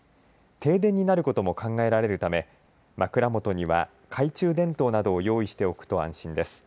停電になることも考えられるため枕元には懐中電灯などを用意しておくと安心です。